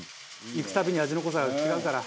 「行く度に味の濃さが違うから」